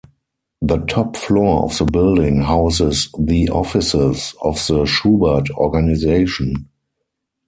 The top floor of the building houses the offices of the Shubert Organization.